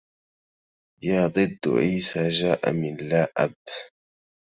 يا ضد عيسى جاء من لا أب